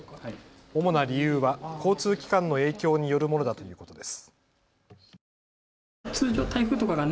主な理由は交通機関の影響によるものだということです。